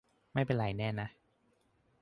ไม่เป็นไรแน่นะ